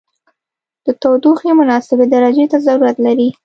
د تودوخې مناسبې درجې ته ضرورت لري.